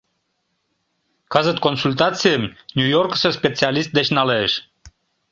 Кызыт консультацийым Нью-Йоркысо специалист деч налеш.